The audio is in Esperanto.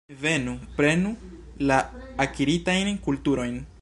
Venu, prenu la akiritajn kulturojn.